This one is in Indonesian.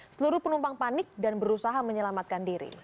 seluruh penumpang panik dan berusaha menyelamatkan diri